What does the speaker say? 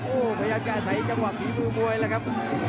โหพยายามจะใช้กล่องมือมวยครับ